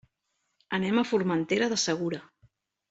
Anem a Formentera del Segura.